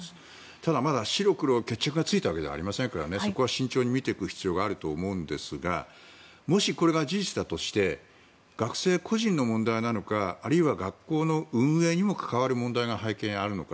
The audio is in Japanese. ただ、まだ白黒、決着がついたわけではありませんからそこは慎重に見ていく必要があると思うんですがもし、これが事実だとして学生個人の問題なのかあるいは学校の運営にも関わる問題が背景にあるのか。